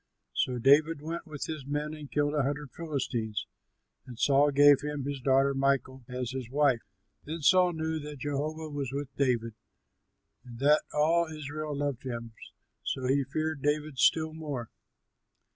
So David went with his men and killed a hundred Philistines; and Saul gave him his daughter Michal as his wife. Then Saul knew that Jehovah was with David and that all Israel loved him, so he feared David still more.